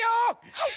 はい！